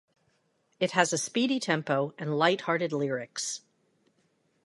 It has a speedy tempo and light-hearted lyrics.